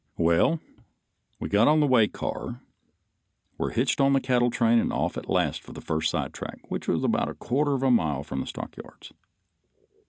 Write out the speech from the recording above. Well, we got on the way car, were hitched on to the cattle train and off at last for the first sidetrack, which was a quarter of a mile from the stockyards.